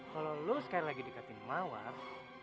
kalau lo sekali lagi dekatin mawar